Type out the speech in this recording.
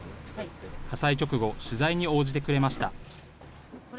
火災直後、取材に応じてくれました。